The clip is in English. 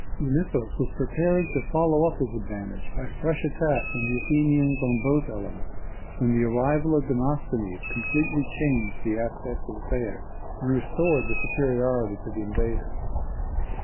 Gylippus was preparing to follow up his advantage by fresh attacks on the Athenians on both elements, when the arrival of Demosthenes completely changed the aspect of affairs, and restored the superiority to the invaders.